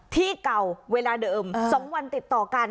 ที่เก่าเวลาเดิม๒วันติดต่อกัน